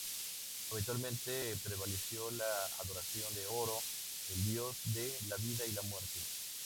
Eventualmente prevaleció la adoración de 'Oro', el dios de la vida y la muerte.